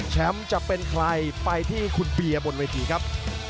แชมป์จะเป็นใครไปที่คุณเปียบนวันที่ครับ